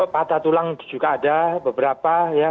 patah tulang juga ada beberapa ya